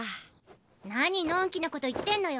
何のんきなこと言ってんのよ！